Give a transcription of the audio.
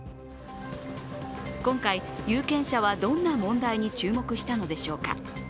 今回、有権者はどんな問題に注目したのでしょうか。